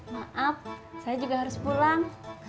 maaf saya juga harus pulang